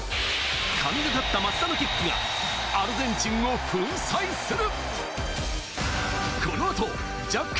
神がかった松田のキックがアルゼンチンを粉砕する。